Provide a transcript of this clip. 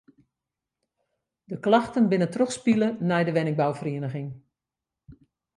De klachten binne trochspile nei de wenningbouferieniging.